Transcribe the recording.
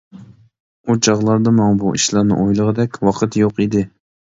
ئۇ چاغلاردا ماڭا بۇ ئىشلارنى ئويلىغۇدەك ۋاقىت يوق ئىدى.